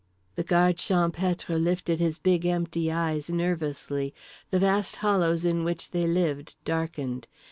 The Guard Champêtre lifted his big empty eyes nervously. The vast hollows in which they lived darkened.